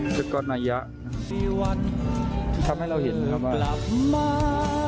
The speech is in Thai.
พวกก็นะที่ทำให้เราเห็นนะครับว่า